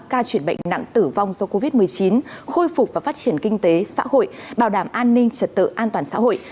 ca chuyển bệnh nặng tử vong do covid một mươi chín khôi phục và phát triển kinh tế xã hội bảo đảm an ninh trật tự an toàn xã hội